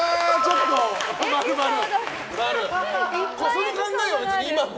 その考えは今も？